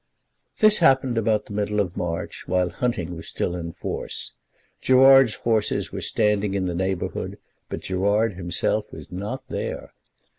This happened about the middle of March, while hunting was still in force. Gerard's horses were standing in the neighbourhood, but Gerard himself was not there.